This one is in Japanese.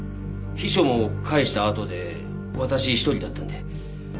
秘書も帰したあとで私一人だったんで。